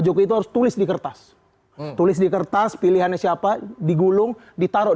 jokowi itu harus tulis di kertas tulis di kertas pilihannya siapa digulung ditaruh